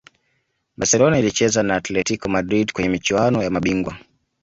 Barcelona ilicheza na Atletico Madrid kwenye michuano ya mabingwa